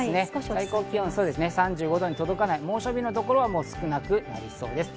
最高気温３５度に届かない、猛暑日のところは少なくなりそうです。